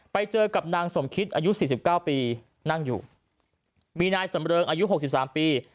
ไปเจอกับนางสมคิดอายุ๔๙ปีนั่งอยู่มีนายสำเริงอายุ๖๓ปี